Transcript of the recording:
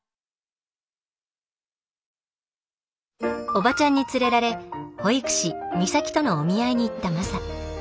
オバチャンに連れられ保育士美咲とのお見合いに行ったマサ。